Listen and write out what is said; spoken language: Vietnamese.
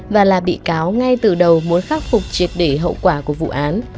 và là bị cáo ngay từ đầu muốn khắc phục triệt để hậu quả của vụ án